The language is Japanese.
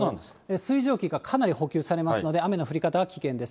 水蒸気がかなり補給されますので、雨の降り方は危険です。